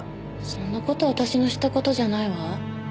そんな事私の知った事じゃないわ。